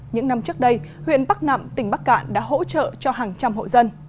những năm trước đây huyện bắc nạm tỉnh bắc cạn đã hỗ trợ cho hàng trăm hộ dân